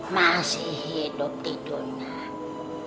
masih hidup tidur